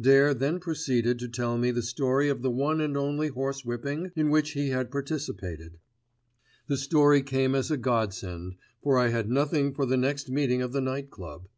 Dare then proceeded to tell me the story of the one and only horsewhipping in which he had participated. The story came as a godsend, for I had nothing for the next meeting of the Night Club.